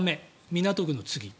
港区の次。